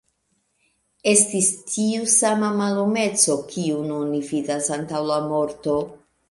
Estis tiu sama mallumeco, kiun oni vidas antaŭ la morto!